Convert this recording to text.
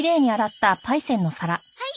はい。